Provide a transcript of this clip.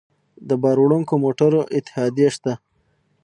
د بار وړونکو موټرو اتحادیې شته